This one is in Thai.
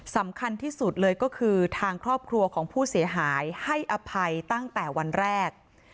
สำคัญที่สุดเลยก็คือทางครอบครัวของผู้เสียหายให้อภัยตั้งแต่วันแรก